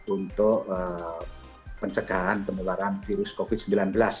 untuk pencegahan penularan virus covid sembilan belas